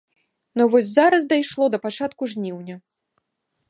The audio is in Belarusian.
Ну а вось зараз дайшло да пачатку жніўня.